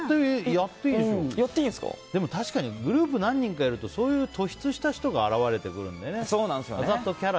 確かにグループ何人かいるとそういう突出した人が現れてくるんだよね。